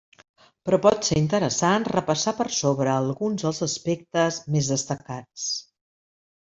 Però pot ser interessant repassar per sobre alguns dels aspectes més destacats.